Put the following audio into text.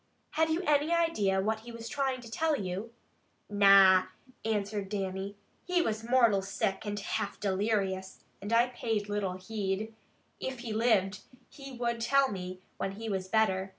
"Have you any idea what he was trying to tell you?" "Na!" answered Dannie. "He was mortal sick, and half delirious, and I paid little heed. If he lived, he would tell me when he was better.